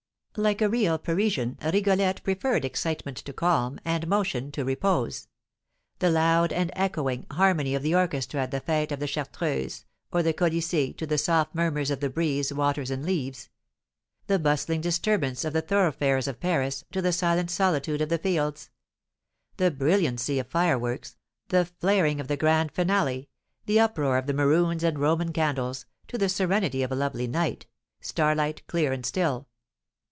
Like a real Parisian, Rigolette preferred excitement to calm, and motion to repose; the loud and echoing harmony of the orchestra at the fête of the Chartreuse or the Colysée to the soft murmurs of the breeze, waters, and leaves; the bustling disturbance of the thoroughfares of Paris to the silent solitude of the fields; the brilliancy of fireworks, the flaring of the grand finale, the uproar of the maroons and Roman candles, to the serenity of a lovely night, starlight, clear, and still.